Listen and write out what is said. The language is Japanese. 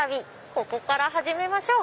ここから始めましょう。